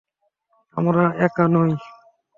আমরা একা নই।